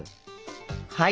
はい。